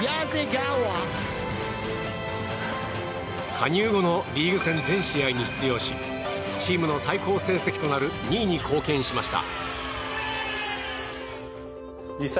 加入後のリーグ戦全試合に出場しチームの最高成績となる２位に貢献しました。